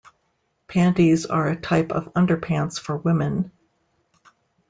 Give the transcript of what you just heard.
Panties are a type of underpants for women.